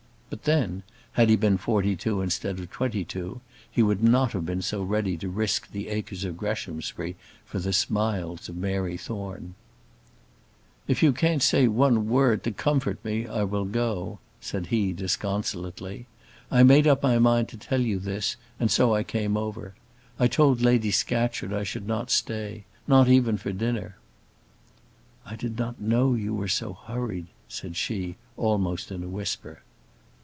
But then, had he been forty two instead of twenty two, he would not have been so ready to risk the acres of Greshamsbury for the smiles of Mary Thorne. "If you can't say one word to comfort me, I will go," said he, disconsolately. "I made up my mind to tell you this, and so I came over. I told Lady Scatcherd I should not stay, not even for dinner." "I did not know you were so hurried," said she, almost in a whisper.